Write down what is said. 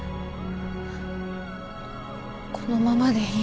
このままでいい